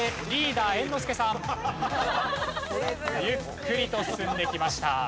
ゆっくりと進んできました。